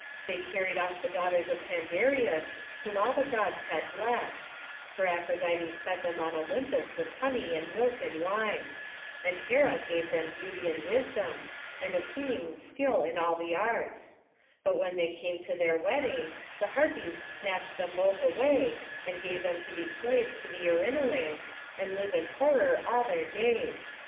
They carried off the daughters of Pandareus, whom all the Gods had blest; for Aphrodite fed them on Olympus with honey and milk and wine; and Hera gave them beauty and wisdom, and Athene skill in all the arts; but when they came to their wedding, the Harpies snatched them both away, and gave them to be slaves to the Erinnues, and live in horror all their days.